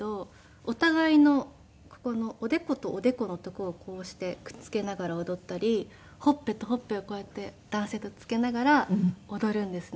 お互いのここのおでことおでこの所をこうしてくっつけながら踊ったりほっぺとほっぺをこうやって男性とつけながら踊るんですね。